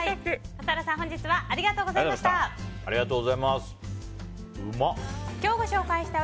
笠原さん、本日はありがとうございました。